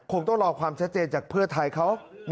คงต้องรอความชัดเจนจากเพื่อไทยเขา